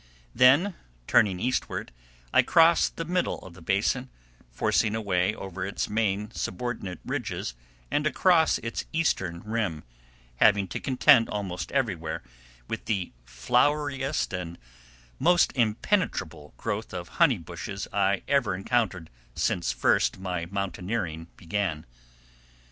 Then, turning eastward, I crossed the middle of the basin, forcing a way over its many subordinate ridges and across its eastern rim, having to contend almost everywhere with the floweriest and most impenetrable growth of honey bushes I had ever encountered since first my mountaineering began.